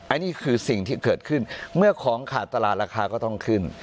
อันนี้คือสิ่งที่เกิดขึ้นเมื่อของขาดตลาดราคาก็ต้องขึ้น